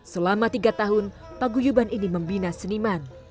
selama tiga tahun paguyuban ini membina seniman